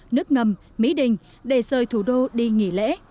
nước ngầm mỹ đình để rời thủ đô đi nghỉ lễ